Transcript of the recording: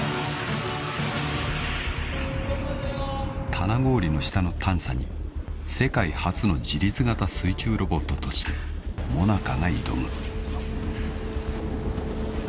［棚氷の下の探査に世界初の自律型水中ロボットとしてＭＯＮＡＣＡが挑む］